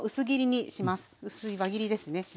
薄い輪切りですね。